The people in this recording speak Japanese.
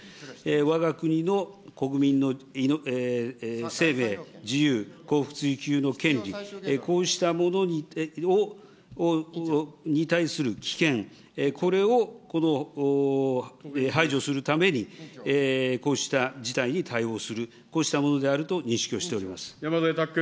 わが国の国民の生命、自由、幸福追求の権利、こうしたものに対する危険、これを排除するために、こうした事態に対応する、こうしたもので山添拓君。